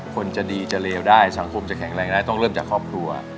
คนจะดีจะเลวได้สังคมจะแข็งแรงได้ต้องเริ่มจากครอบครัว